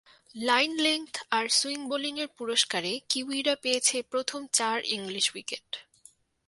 Line length আর swing বোলিংয়ের পুরস্কারে কিউইরা পেয়েছে প্রথম চার ইংলিশ উইকেট।